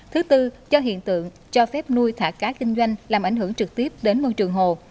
thứ tư cho hiện tượng cho phép nuôi thả cá kinh doanh làm ảnh hưởng trực tiếp đến môi trường hồ